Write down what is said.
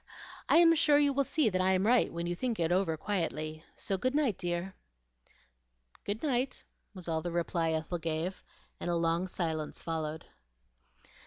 I am sure you will see that I am right when you think it over quietly. So good night, dear." "Good night," was all the reply Ethel gave, and a long silence followed.